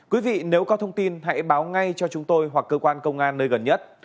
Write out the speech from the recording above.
quý vị nếu có thông tin hãy báo ngay cho chúng tôi hoặc cơ quan công an nơi gần nhất